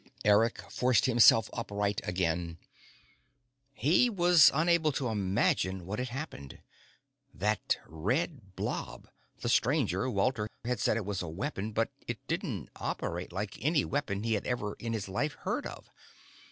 Eric forced himself upright again. He was unable to imagine what had happened. That red blob the Stranger, Walter, had said it was a weapon, but it didn't operate like any weapon he had ever in his life heard of.